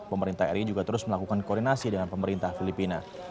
pemerintah ri juga terus melakukan koordinasi dengan pemerintah filipina